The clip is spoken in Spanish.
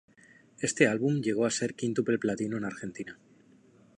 Este álbum llegó a ser quíntuple platino en Argentina.